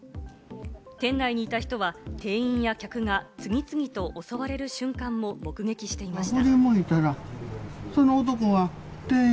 店内にいた人は店員や客が次々と襲われる瞬間も目撃していました。